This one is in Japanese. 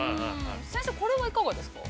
◆先生、これはいかがですか。